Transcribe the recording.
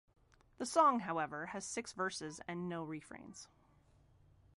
The song, however, has six verses and no refrains.